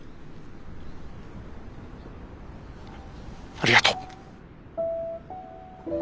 ありがとう。